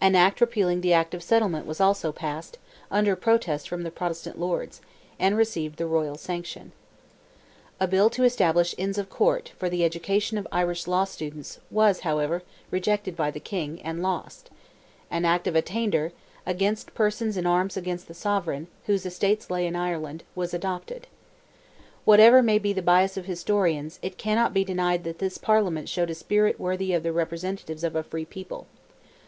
An act repealing the Act of Settlement was also passed, under protest from the Protestant Lords, and received the royal sanction. A bill to establish Inns of Court, for the education of Irish law students, was, however, rejected by the King, and lost; an "Act of Attainder," against persons in arms against the Sovereign, whose estates lay in Ireland, was adopted. Whatever may be the bias of historians, it cannot be denied that this Parliament showed a spirit worthy of the representatives of a free people.